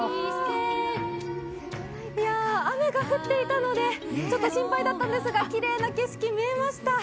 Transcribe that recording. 雨が降っていたので、ちょっと心配だったんですが、きれいな景色見えました。